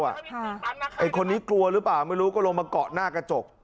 ไอ้คนนี้กลัวหรือเปล่าไม่รู้ก็ลงมาเกาะหน้ากระจก